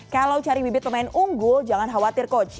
kalau cari bibit pemain unggul jangan khawatir coach